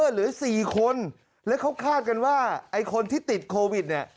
เหลือ๔คนแล้วเขาคาดกันว่าไอ้คนที่ติดโควิดเนี่ย